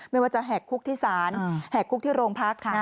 ไม่ว่าจะแหกคุกที่ศาลแหกคุกที่โรงพัก